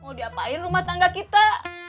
mau diapain rumah tangga kita